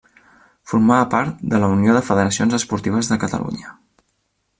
Formava part de la Unió de Federacions Esportives de Catalunya.